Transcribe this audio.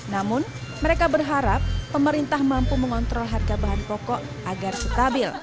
namun mereka berharap pemerintah mampu mengontrol harga bahan pokok agar stabil